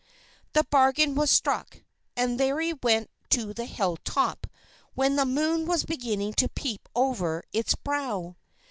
The bargain was struck, and Larry went to the hill top when the moon was beginning to peep over its brow.